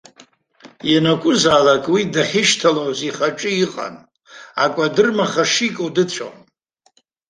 Ианакәызаалак уи дахьышьҭалоз ихаҿы иҟан, акәадыр-маха шику дыцәон.